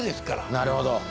なるほど。